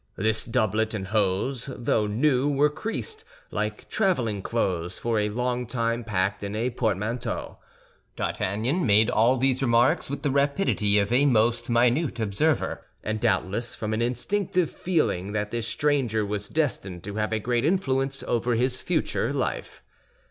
This doublet and hose, though new, were creased, like traveling clothes for a long time packed in a portmanteau. D'Artagnan made all these remarks with the rapidity of a most minute observer, and doubtless from an instinctive feeling that this stranger was destined to have a great influence over his future life.